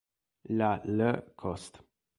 La l. cost.